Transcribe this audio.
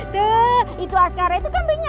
tuh itu askaranya itu kambingnya